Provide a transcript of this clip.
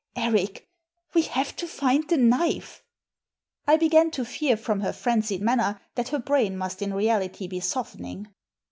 Eric, we have to find the knife." I began to fear, from her frenzied manner, that her brain must in reality be softening.